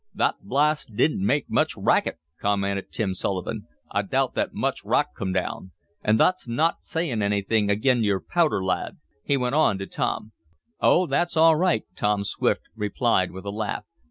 "Thot blast didn't make much racket," commented Tim Sullivan. "I doubt thot much rock come down. An' thot's not sayin' anythin' ag'in yer powder, lad," he went on to Tom. "Oh, that's all right," Tom Swift replied, with a laugh.